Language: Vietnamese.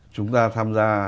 chúng ta tham gia